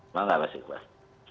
semangat kasih pak